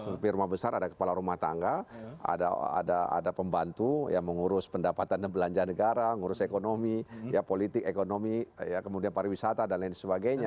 seperti rumah besar ada kepala rumah tangga ada pembantu yang mengurus pendapatan dan belanja negara ngurus ekonomi politik ekonomi kemudian pariwisata dan lain sebagainya